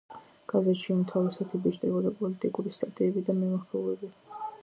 გაზეთში უმთავრესად იბეჭდებოდა პოლიტიკური სტატიები და მიმოხილვები.